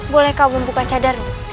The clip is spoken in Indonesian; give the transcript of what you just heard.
boleh kau membuka cadar